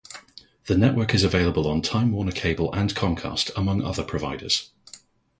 The network is available on Time Warner Cable and Comcast, among other providers.